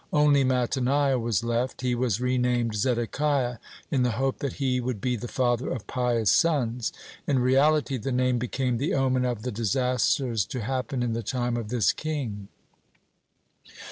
Only Mattaniah was left. (1) He was re named Zedekiah, in the hope that he would be the father of pious sons. In reality the name became the omen of the disasters to happen in the time of this king.